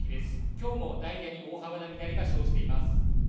きょうもダイヤに大幅な乱れが生じています。